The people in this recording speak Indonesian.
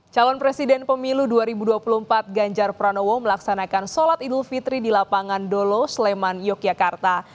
calon presiden pemilu dua ribu dua puluh empat ganjar pranowo melaksanakan sholat idul fitri di lapangan dolo sleman yogyakarta